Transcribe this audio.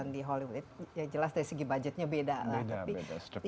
di hollywood ya jelas dari segi budgetnya beda lah